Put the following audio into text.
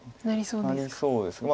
なりそうですか。